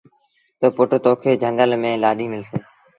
تا پُٽ تو کي جھنگ ميݩ لآڏيٚ ملسي۔